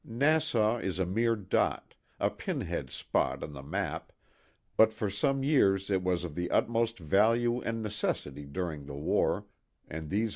Nassau is a mere dot, a pin head spot on the map, but for some years it was of the utmost value and necessity during the war, and these THE TWO WILLS.